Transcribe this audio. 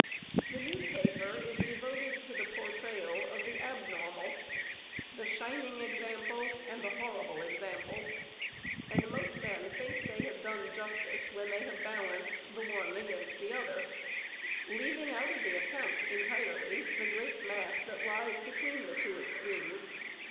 The newspaper is devoted to the portrayal of the abnormal the shining example and the horrible example; and most men think they have done justice when they have balanced the one against the other, leaving out of account entirely the great mass that lies between the two extremes.